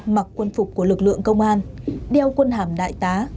mặc quân phục của lực lượng công an đeo quân hàm đại tá